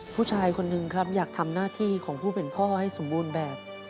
ผู้ชายคนหนึ่งครับอยากทำหน้าที่ของผู้เป็นพ่อให้สมบูรณ์แบบ